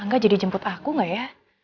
angga jadi jemput aku gak ya